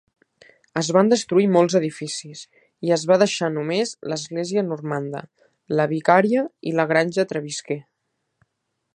Es van destruir molts edificis, i es va deixar només l'església normanda, la vicaria i la granja Trevisker.